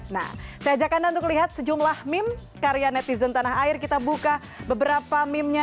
nah saya ajak anda untuk lihat sejumlah meme karya netizen tanah air kita buka beberapa meme nya